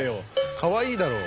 かわいいだろ。